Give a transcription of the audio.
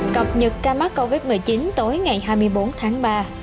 cập nhật ca mắc covid một mươi chín tối ngày hai mươi bốn tháng ba